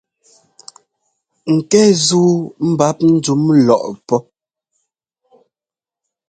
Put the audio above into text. Ŋkɛ́ zúu mbap ndúm lɔʼpɔ́.